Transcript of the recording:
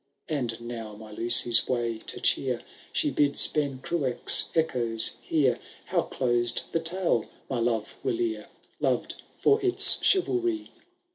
^ And now, my Lucy^ miy to cheer. She bids Ben Cruach^ echoes hear How closed the tale, my love whllere Loved for its chivalry.